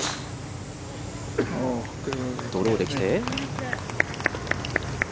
ドローで来て。